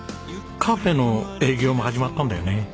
カフェの営業も始まったんだよね。